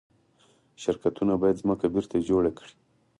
شرکتونه باید ځمکه بیرته جوړه کړي.